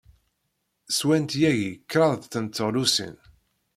Swant yagi kraḍt n teɣlusin.